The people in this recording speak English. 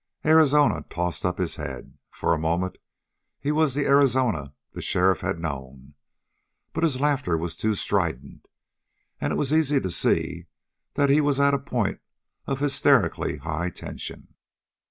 Arizona tossed up his head. For a moment he was the Arizona the sheriff had known, but his laughter was too strident, and it was easy to see that he was at a point of hysterically high tension.